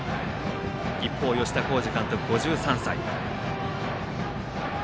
一方、吉田洸二監督、５３歳。